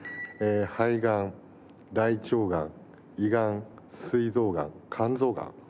肺がん大腸がん胃がん膵臓がん肝臓がん。